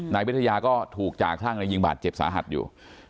นายวิทยาก็ถูกจ่าคลั่งในยิงบาดเจ็บสาหัสอยู่